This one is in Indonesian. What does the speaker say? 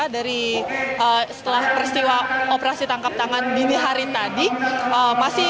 dari setelah peristiwa operasi tangkap tangan bibi harin tadi